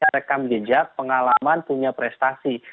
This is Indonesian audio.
rekam jejak pengalaman punya prestasi